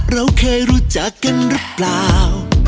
เฮ้เฮ้เฮ้เฮ้เฮ้